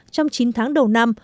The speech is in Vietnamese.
trong chín tháng đầu năm